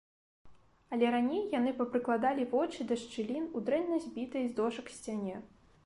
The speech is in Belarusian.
Але раней яны папрыкладалі вочы да шчылін у дрэнна збітай з дошак сцяне.